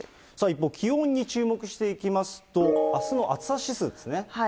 一方、気温に注目していきますと、あすの暑さ指数ですね。